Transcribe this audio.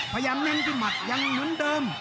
พยายามแน้นที่หมัดยังเหมือนเดิม